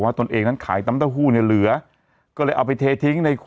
ตนเองนั้นขายน้ำเต้าหู้เนี่ยเหลือก็เลยเอาไปเททิ้งใน